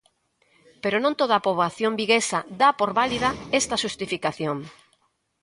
Pero non toda a poboación viguesa dá por válida esta xustificación.